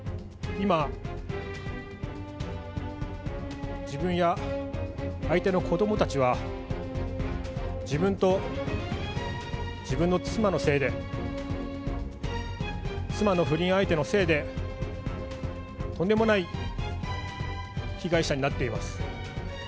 今、自分や相手の子どもたちは、自分と自分の妻のせいで、妻の不倫相手のせいで、とんでもない被害者になっています。